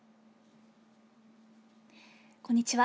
こんにちは。